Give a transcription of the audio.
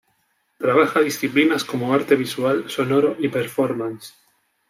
Trabaja disciplinas como arte visual, sonoro y performance.